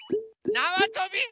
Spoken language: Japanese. なわとび？